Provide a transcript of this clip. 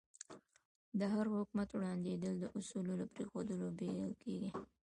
د هر حکومت ورانېدل د اصولو له پرېښودلو پیل کېږي.